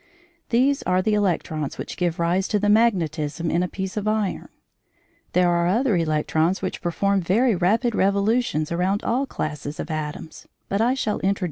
These are the electrons which give rise to the magnetism in a piece of iron. There are other electrons which perform very rapid revolutions around all classes of atoms, but I shall introduce these friends later on.